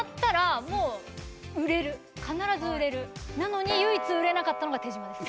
必ず売れるなのに唯一売れなかったのが手島です